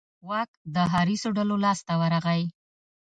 واک د حریصو ډلو لاس ته ورغی.